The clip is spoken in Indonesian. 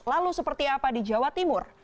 lalu seperti apa di jawa timur